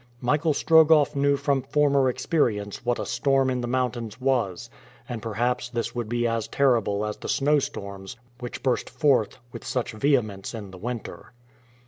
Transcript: Michael Strogoff knew from former experience what a storm in the mountains was, and perhaps this would be as terrible as the snowstorms which burst forth with such vehemence in the winter.